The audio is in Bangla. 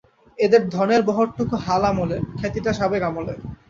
এদের ধনের বহরটুকু হাল আমলের, খ্যাতিটা সাবেক আমলের।